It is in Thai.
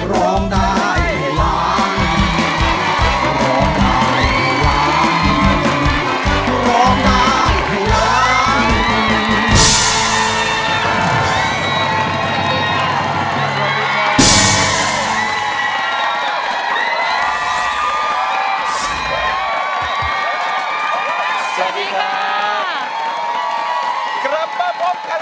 พร้อมมาพบกันแล้วครับทุกคน